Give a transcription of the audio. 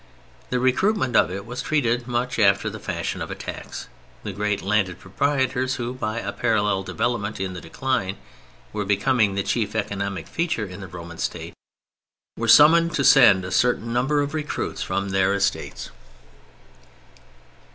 The recruitment of it was treated much after the fashion of a tax; the great landed proprietors (who, by a parallel development in the decline, were becoming the chief economic feature in the Roman State) were summoned to send a certain number of recruits from their estates.